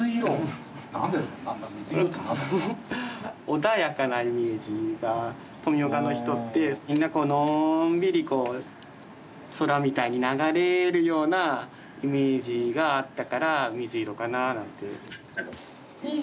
穏やかなイメージが富岡の人ってみんなこうのんびりこう空みたいに流れるようなイメージがあったから水色かななんて。